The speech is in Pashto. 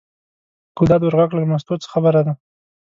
ګلداد ور غږ کړل: مستو څه خبره ده.